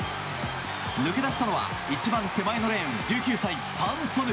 抜け出したのは一番手前のレーン１９歳、ファン・ソヌ。